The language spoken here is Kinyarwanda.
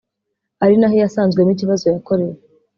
ari naho iyasanzwemo ikibazo yakorewe